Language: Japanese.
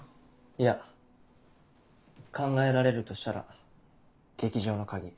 いや考えられるとしたら劇場の鍵。